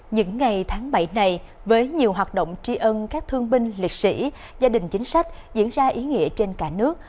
những ngày tháng bảy này với nhiều hoạt động tri ân các thương binh liệt sĩ gia đình chính sách diễn ra ý nghĩa trên cả nước